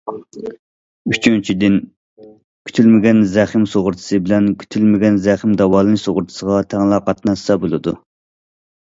ئۈچىنچىدىن، كۈتۈلمىگەن زەخىم سۇغۇرتىسى بىلەن كۈتۈلمىگەن زەخىم داۋالىنىش سۇغۇرتىسىغا تەڭلا قاتناشسا بولىدۇ.